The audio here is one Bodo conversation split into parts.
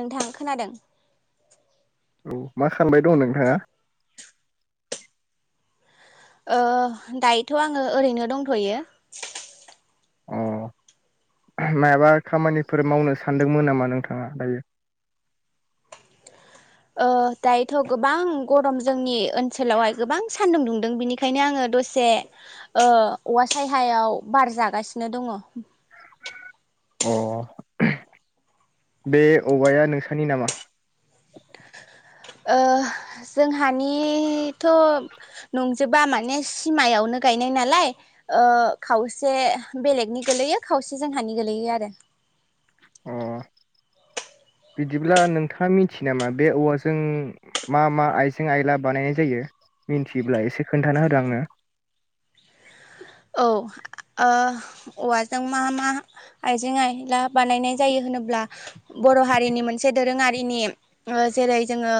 नोंथां खोनादों औ मा खालामानबाय दं नोंथाङा ओ- दायोथ' आङो ओरैनो दंथ'यो मायाबा खामानिफोर मावनो सानदोंमोन नामा नोंथाङा दायो [unintelligible] ओ- दायोथ' गोबां गरम जोंनि ओनसोलावहाय गोबां सान्दुं दुंदों बिनिखायनो आङो दसे ओ- औवा सहायाव बार जागासिनो दङ अ बे औवाया नोंसोरनि नामा ओ- जोंहानिथ' नंजोबा माने सिमायावनो गायनाय नालाय ओ- खावसे बेलेगनि गोलैयो खावसे जोंहानि गोलैयो आरो अ [unintelligible] बिदिब्ला नोंथाङा मिथियो नामा बे औवाजों मा मा आइजें आइला बानायनाय जायो मिथियोब्ला एसे खोन्थाना होदो आंनो [unintelligible] औ औवाजों मा मा आइजें आइला बानायनाय जायो होन होनोब्ला बर' हारिनि मोनसे दोरोङारिनि जेरै जोङो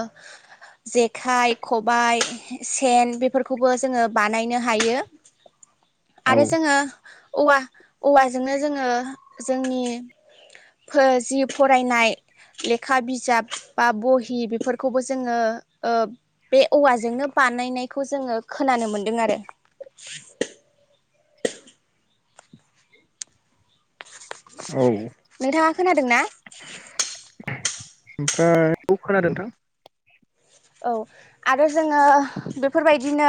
जेखाइ खबायाइ सेन बेफोरखौबो जोङो बानायनो हायो औ आरो जोङो औवा औवाजोंनो जोङो जोंनि जि फरायनाय लेखा बिजाब बा बहि बेफोरखौबो जोङो बे औवाजोंनो ब बानाय जोङो खोनानो मोनदों आरो औ नोंथाङा खोनादों ना ओमफ्राय बे खोनादों नोंथां औ आरो जोङो बेफोरबायदिनो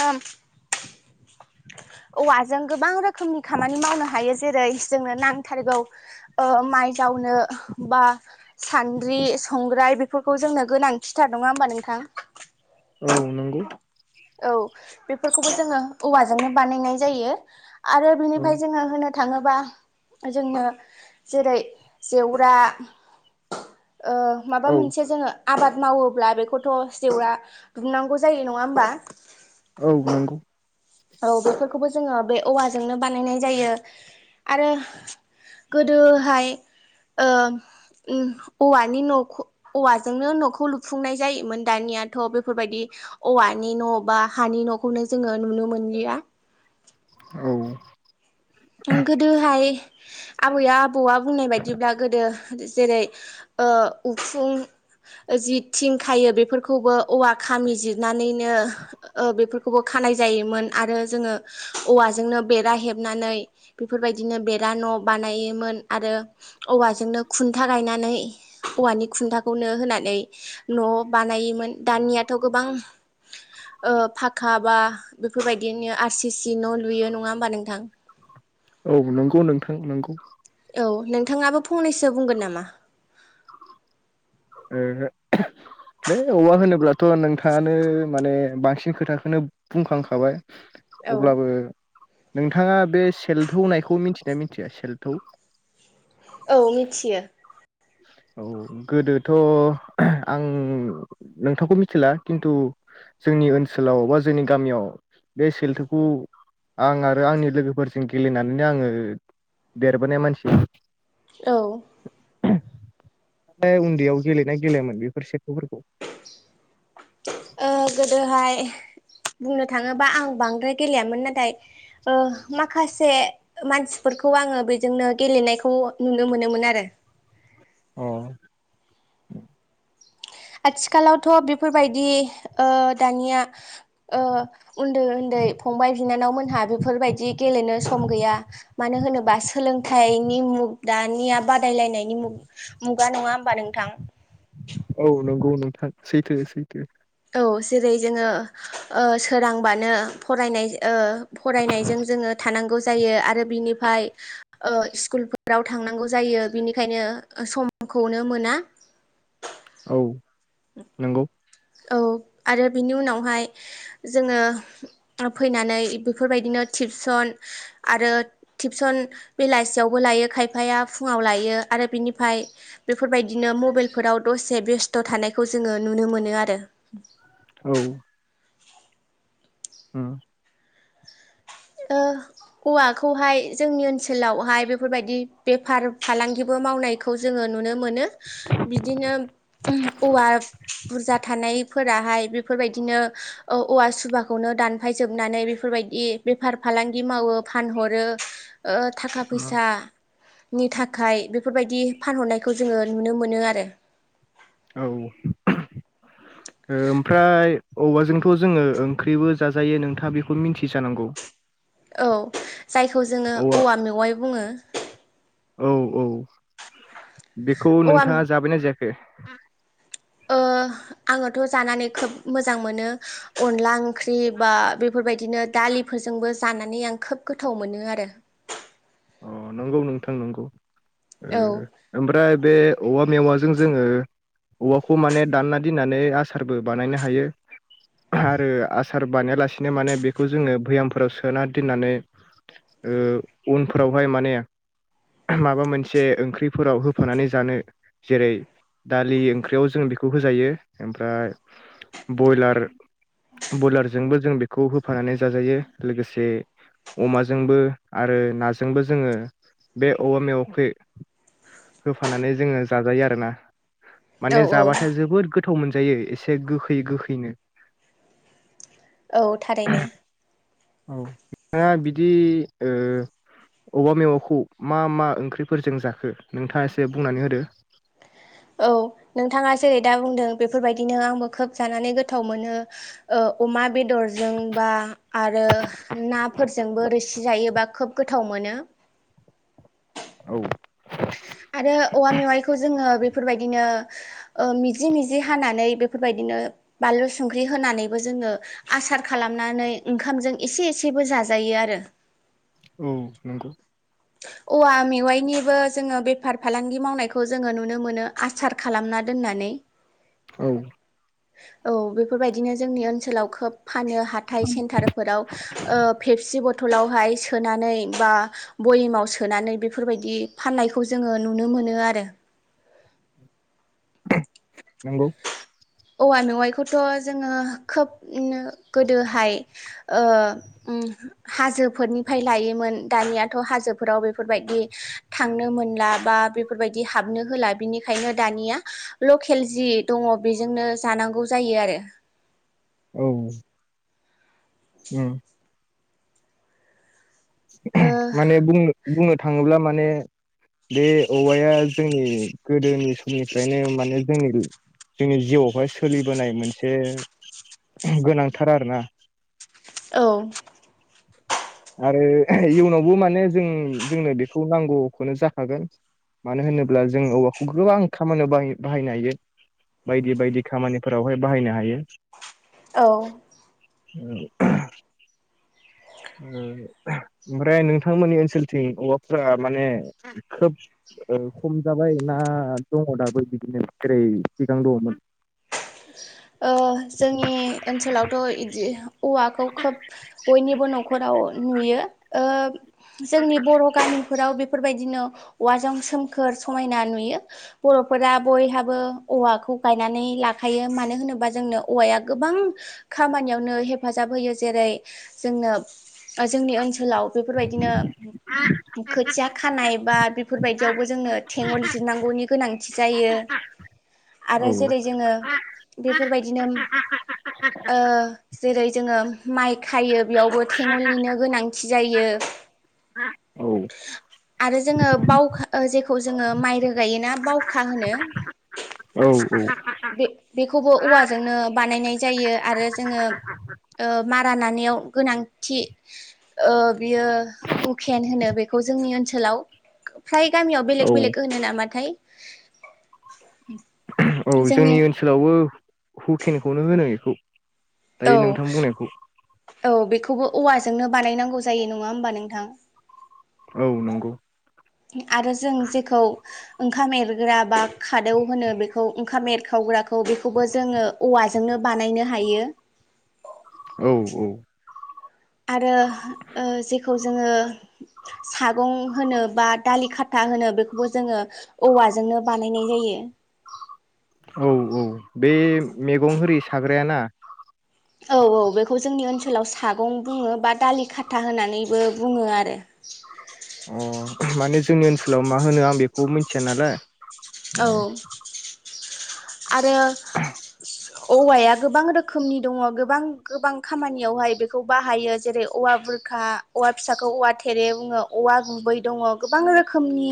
औवाजों गोबां रोखोमनि खामानि मावनो हायो जेरै जोंनो नांथारगौ ओ माइ जावनो बा सान्द्रि संग्राय बेफोरखौ जोंनो गोनांथिथार नङा होमबा नोंथां। औ नंगौ औ बेफोरखौबो जोङो औवाजोंनो बानायनाय जायो। आरो औ बिनिफ्राय जोङो होनो थाङोबा जोंनो जेरै जेवरा ओ माबा औ मोनसे जोङो आबाद मावोब्ला बेखौथ' जेवरा‌ दुमनांगौ जायो नङा होमबा। औ नंगौ औ बेफोरखौबो जोङो बे औवाजोंनो बानायनाय जायो आरो गोदोहाय ओ ओम औवानि न'खौ औवाजोंनो न'खौ लुफुंनाय जायोमोन दानियाथ' बेफोरबायदि औवानि न' बा हानि न'खौनो जोङो नुनो मोनलिया। औ गोदोहाय आबैया आबौआ बुंनाय बायदिब्ला गोदो जेरै ओ उखुं जि थिं खायो बेफोरखौबो औवा खामि जिरनानैनो बेफोरखौबो खानाय जायोमोन आरो जोङो औवाजोंनो बेरा हेबनानै बेफोरबायदिनो बेरा न' बानायोमोन आरो औवाजोंनो खुन्था गायनानै औवानि खुन्थाखौनो होनानै न' बानायोमोन दानियाथ' गोबां ओ फाखा बा बेफोरबायदिनो आर सि सि न' लुयो नङा होमबा नोंथां। औ नंगौ नोंथां नंगौ औ नोंथाङाबो फंनैसो बुंगोन नामा? ओहो बे औवा होनोब्लाथ' नोंथाङानो माने बांसिन खोथाखौनो बुंखांखाबाय। औ अब्लाबो नोंथाङा बे सेल्थौ होननायखौ मिथिना मिथिया सेल्थौ औ मिथियो औ गोदोथ' आं नोंथांखौ मिथिला खिन्थु जोंनि ओनसोलाव बा जोंनि गामियाव बे सेल्थोखौ आं आरो आंनि लोगोफोरजों गेलेनानैनो आङो देरबोनाय मानसि। औ उन्दैयाव गेलेना गेलेयामोन बेफोर सेल्थौफोरखौ? ओ गोदोहाय बुंनो थाङोबा आं बांद्राय गेलेयामोन नाथाय ओ माखासे - मानसिफोरखौ आङो बेजोंनो गेलेनायखौ नुनो मोनोमोन आरो। औ आथिखालावथ' बेफोरबायदि ओ दानिया ओ उन्दै उन्दै फंबाय बिनानाव मोनहा बेफोरबायदि गेलेनो सम गैया मानो होनोबा सोलों थाइनि मुग दानिया बादायलायनायनि मु-मुगा नङा होमबा नोंथां औ नंगौ नोंथां सैथो सैथो औ जेरै जोङो ओ सोरांबानो फरायनाय ओ फरायनायजों जोङो थानांगौ जायो आरो बिनिफ्राय स्कुलफोराव थांनांगौ जायो बिनिखायनो समखौनो मोना। औ नंगौ औ आरो बिनि उनावहाय जोङो फैनानै बेफोरबायदिनो टिपसन आरो टिपसन बेलासियावबो लायो खायफाया फुङाव लायो। आ रो बेनिफ्राय बेफोरबायदिनो मबाइलफोराव दसे बेस्थ' थानायखौ जोङो नुनो मोनो आ रो। औ हम औवाखौहाय जोंनि ओनसोलावहाय बेफोरबायदि बेफार फालांगिबो मावनायखौ जोङो नुनो मोनो बिदिनो औवा बुरजा थानाय फोराहाय बेफोरबायदिनो औवा सुबाखौनो दानफायजोबनानै बेफोरबायदि बेफार फालांगि मावो फानहरो थाखा उम फैसा नि थाखाय बेफोरबायदि फानहरनायखौ जोङो नुनो मोनो आरो औ [inaudible] ओमफ्राय औवजोंथ' जोङो ओंख्रिबो जाजायो नोंथाङा बेखौ मिन्थि जानांगौ औ जायखौ जोङो औवा मेवाइ बुङो औ औ बेखौ औवा नोंथाङा जाबायना जायाखै आङोथ' जानानै खोब मोजां मोनो अनला ओंख्रि बा बेफोरबायदिनो दालिफोरजोंबो जानानै आं खोब गोथाव मोनो आरो अ नंगौ नोंथां नंगौ औ ओमफ्राय बे औवा मेवाजों जोङो औवाखौ माने दानना दोननानै आसारबो बानायनो हायो आरो आसार बानायालासिनो माने बेखौ जोङो भैयामफोराव सोना दोननानै उनफोरावहाय माने माबा मोनसे ओंख्रिफोराव होफानानै जानो जेरै दालि ओंख्रियाव जों बेखौ होजायो ओमफ्राय बयलार ब्रयलारजोंबो जों बेखौ होफानानै जाजायो लोगोसे अमाजोंबो आरो नाजोंबो जोङो बे औवा मेवायावखौ होफानानै जोङो जाजायो आरोना औ माने औ जाबाथाय जोबोद गोथाव मोनजायो एसे गोखै गोखैनो औ थारैनो औ नोंथां बिदि ओयामेवाखौ मा मा ओंख्रिफोरजों जाखो नोंथाङा एसे बुंनानै होदो [inaudible] औ नोंथाङा जेरै दा बुंदों बेफोरबायदिनो आंबो खोब जानानै गोथाव मोनो औ अमा बेदरजों बा आरो नाफोरजोंबो रोसि जायोबा खोब गोथाव मोनो मोनो औ आरो औवा मेवाइखौ जोङो बेफोरबायदिनो मिजि मिजि हानानै बेफोरबायदिनो बानलु संख्रि होनानैबो जोङो आसार खालाम खालामनानै ओंखामजों इसे एसेबो जाजायो आरो औ नंगौ [inaudible] औवा मेवाइनिबो जोङो बेफार फालांगि मावनायखौ जोङो नुनो मोनो आसार खालामना दोननानै [unintelligible] औ औ बेफोरबायदिनो जोंनि ओनसोलाव खोब फानो हाथाइ सेन्टारफोराव फेपसि बथलावहाय सोनानै बा बयेमाव सोनानै बेफोरबायदि फाननायखौ जोङो नुनो मोनो आरो [unintelligible] नंगौ औवा मेवाइखौथ' जोङो खोबनो गोदोहाय ओ ओम हाजोफोरनिफ्राय लायोमोन दानियाथ' हाजोफोराव बेफोरबायदि दि थांनो मोनला बा बेफोरबायदि हाबनो होला बिनिखायनो दानिया लकेल जि दङ बेजोंनो जानांगौ जायो आरो औ उम ओ माने बुंनो -बुंनो थाङोब्ला माने बे औवाया जोंनि गोदोनि समनिफ्रायनो माने जोंनि जोंनि जिउआवहाय सोलिबोनाय मोनसे गोनांथार आरोना औ आरो इयुनावबो माने जों -जोंनो बेखौ नांगौखौनो जाखागोन मानो होनोब्ला जों औवाखौ गोबां खामानियाव बाहाय - बाहायनो हायो बायदि बायदि खामानिफोरावहाय बाहायनो हायो औ [unintelligible] ओ ओमफ्राय नोंथांमोननि ओनसोलथिं औवाफ्रा माने खोब ओ खम जाबाय ना दङ' दाबो बिदिनो जेरै सिगां दङ'मोन [unintelligible] ओ जोंनि ओनसोलावथ' इदि औवाखौ खोब बयनिबो न'खराव नुयो ओ जोंनि बर' गामिफोराव बे फोरबायदिनो औवाजों सोमखोर समायना नुयो बर'फोरा बयहाबो औवाखौ गायनानै लाखायो मानो होनो बा जोंनो औवाया गोबां खामानियावनो हेफाजाब होयो जेरै जोंनो ओ जोंनि ओनसोलाव बेफोरबायदिनो खोथिया खानाय बा बेफोरबायदियावबो जोंनो थेङ'ल जिरनांगौनि गोनांथि जायो आरो औ जेरै जोङो बेफोरबायदिनोम ओ जेरै जोङो माइ खायो बेयावबो थेङ'लनिनो गोनांथि जायो औ आरो जोङो बावखा ओ जे खौ जोङो औ खौबो औवाजोंनो बानायनाय जायो आरो जोङो ओ मारा नानायाव गोनांथि ओ बियो उखेन होनो बेख खौ जोंनि ओनसोलाव फ्राय गामियाव औ बेलेग बेलेग होनो नामाथाय [unintelligible] औ जोंनि ओनसोलावबो हुखेनखौनो होनो इखौ दायो नोंथां बुंनायखौ खौबो औवाजोंनो बानायनांगौ जायो नङा होमबा नोंथां औ नंगौ आरो जों जेखौ ओंखाम एरग्रा बा खादौ होनो बेखौ ओंखाम एरखाव [unintelligible] खौ बेखौबो जोङो औवाजोंनो बानायनो हायो औ औ आरो ओ जेखौ जोङो सागं होनो बा दालि खाता होनो बेखौबो जोङो औवाजोंनो बानायनाय जायो [unintelligible] औ औ बे मैगं होरि साग्रायाना औ औ बेखौ जोंनि ओनसोलाव सागं बुङो बा दालि खाथा होननानैबो बुङो आरो [unintelligible] अ माने जोंनि ओनसोलाव मा होनो आं बेखौ मिनथिया नालाय औ आरो औवाया गोबां रोखोमनि दङ' गोबां -गोबां खामानियावहाय बेखौ बाहायो जेरै औवा बु बुरखा औवा फिसाखौ औवा थेरे बुङो औवा गुबै दङ' गोबां रोखोमनि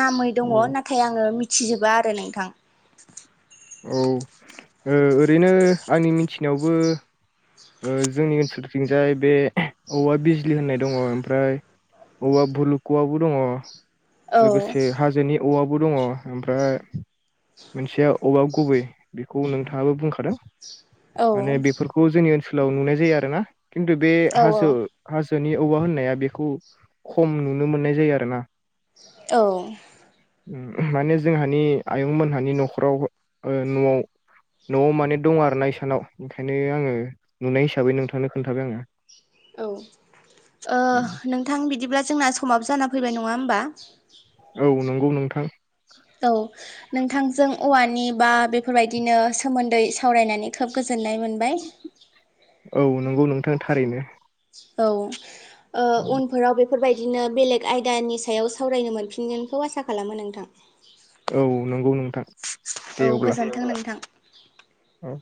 नामै दङ' औ नाथाय आङो मिथिजोबा आरो नोंथां औ ओ ओरैनो आंनि मिथिनायावबो ओ जोंनि ओनसोलथिंजाय बे औवा बिजलि होननाय दङ' ओमफ्राय औवा भुलुक'वाबो दङ औ लोगोसे हाजोनि औवाबो दङ ओमफ्राय मोनसेया औवा गुबै बेखौ नोंथाङाबो बुंखादों। औ माने बेफोरखौ जोंनि ओनसोलाव नुनाय जाया आरो ना खिन्थु बे औ हाजो हाजो नि औवा होननाया बेखौ खम नुनो मोननाय जायो आरो ना। औ उम माने जोंहानि आयं मोनहानि न'खरावबो ओ न'आव न'आव माने दं आरो ना इसानाव ओंखायनो आङो नुनाय हिसाबै नोंथांनो खोन्थाबाय आङो। औ ओ उम, नोंथां बिदिब्ला जोंना समाबो जाना फैबाय नङा होम बा औ नंगौ नोंथां। औ नोंथांजों औवानि बा बेफोरबायदिनो सोमोन्दै सावरायनानै खोब गोजोन नाय मोनबाय। औ नंगौ नोंथां थारैनो। औ ओ औ उनफोराव बेफो फोरबायदिनो बेलेग आयदानि सायाव सावरायनो मोनफिनगोनखौ आसा खालामो नोंथां। औ नंगौ नोंथां दे औ अब्ला गोजोनथों नोंथां। औ